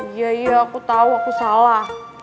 iya iya aku tahu aku salah